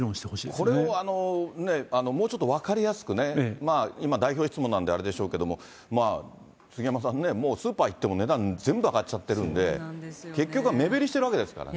これをもうちょっと分かりやすくね、今、代表質問なんであれでしょうけども、杉山さんね、もうスーパー行っても、値段全部上がっちゃってるんで、結局は目減りしているわけですからね。